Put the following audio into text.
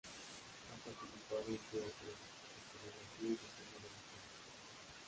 Ha participado en teatro, escenografía y diseño de vestuario.